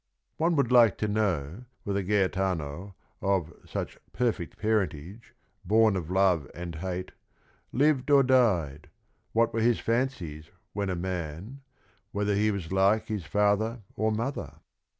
" One would like to know whether Gaetano, of such "perfect parentage," "born of love and hate," lived or died, what were his fancies when a man, whether he was like his father or mother.